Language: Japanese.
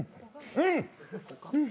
うん！